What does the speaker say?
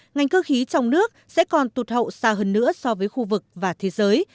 ngành cơ khí trong nước sẽ còn tụt hậu xa hơn nữa so với khu vực và thế giới